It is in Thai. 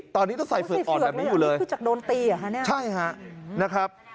ตอนนี้ต้องใส่เฝือกอ่อนแบบนี้อยู่เลยคือจากโดนตีเหรอคะเนี่ยใช่ฮะนะครับ